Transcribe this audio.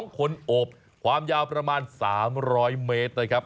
๒คนอบความยาวประมาณ๓๐๐เมตรนะครับ